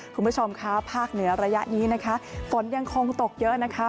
คุณผู้ชมค่ะภาคเหนือระยะนี้นะคะฝนยังคงตกเยอะนะคะ